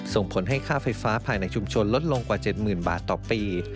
ส่งผลให้ค่าไฟฟ้าภายในชุมชนลดลงกว่า๗๐๐บาทต่อปี